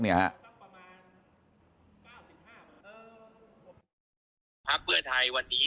พักเพื่อไทยวันนี้